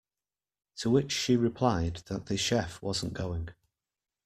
To which she replied that the chef wasn't going.